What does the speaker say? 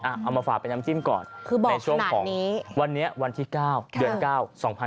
เอามาฝากเป็นน้ำจิ้มก่อนในช่วงของวันนี้วันที่เก้าเดือนเก้า๒๐๑๙